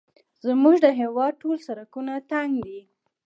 زموږ د هېواد ټوله سړکونه تنګ دي